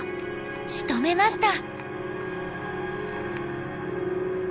しとめました。